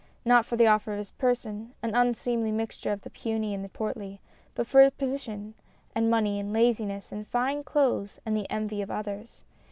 Not for the offer of his person an unseemly mixture of the puny and the portly but for position, and money, and laziness, and fine clothes, and the envy of others.